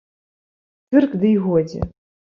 Цырк ды й годзе.